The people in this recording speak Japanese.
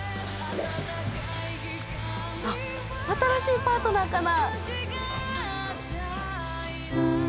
あっ新しいパートナーかな？